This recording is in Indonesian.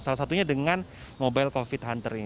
salah satunya dengan mobile covid sembilan belas hunter ini